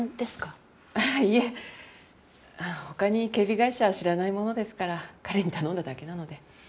他に警備会社知らないものですから彼に頼んだだけなので。